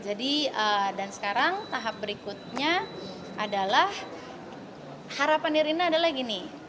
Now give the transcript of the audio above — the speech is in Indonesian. jadi dan sekarang tahap berikutnya adalah harapan irina adalah gini